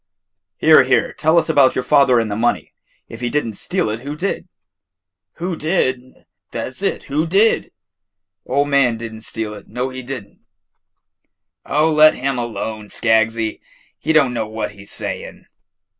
"Here, here, tell us about your father and the money. If he did n't steal it, who did?" "Who did? Tha' 's it, who did? Ol' man di' n' steal it, know he di' n'." "Oh, let him alone, Skaggsy, he don't know what he 's saying."